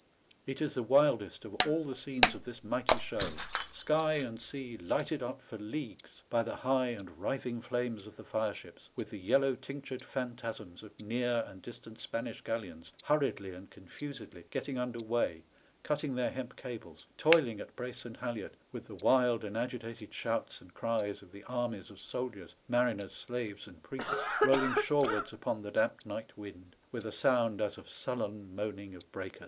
It is the wildest of all the scenes of this mighty show : sky and sea lighted up for leagues by the high and writhing flames of the fire ships, with the yellow tinctured phantasms of near and distant Spanish galleons hurriedly and confusedly getting under way, cutting their hemp cables, toiling at brace and halliard, with the wild and agitated shouts and cries of the armies of soldiers, mariners, slaves, and priests rolling shore^ards upon the damp night wind, with a sound as of sullen moaning of breakers.